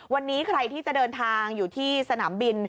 วันนี้ใครที่จะเดินทางอยู่ที่สนามบิน